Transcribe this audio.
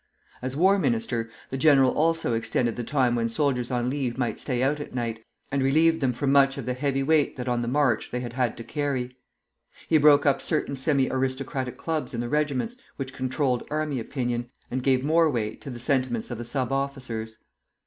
As War Minister, the general also extended the time when soldiers on leave might stay out at night, and relieved them from much of the heavy weight that on the march they had had to carry. He broke up certain semi aristocratic clubs in the regiments which controlled army opinion, and gave more weight to the sentiments of the sub officers.